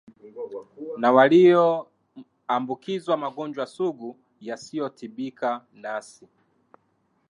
na walioambukizwa magonjwa sugu yasiotibika nasi